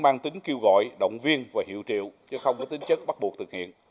mang tính kêu gọi động viên và hiệu triệu chứ không có tính chất bắt buộc thực hiện